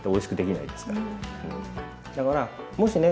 だからもしね